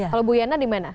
kalau ibu yana di mana